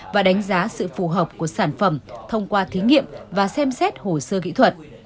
và đánh giá sự phù hợp của sản phẩm thông qua thí nghiệm và xem xét hồ sơ kỹ thuật